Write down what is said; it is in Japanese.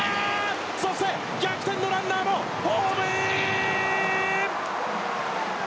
そして、逆転のランナーもホームイン！